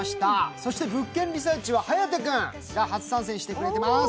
そして「物件リサーチ」は颯君が初参戦してくれています。